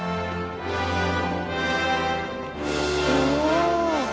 うわ！